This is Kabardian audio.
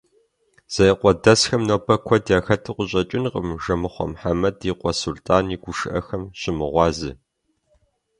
Зеикъуэдэсхэм нобэ куэд яхэту къыщӏэкӏынкъым Жэмыхъуэ Мухьэмэд и къуэ Сулътӏан и гушыӏэхэм щымыгъуазэ.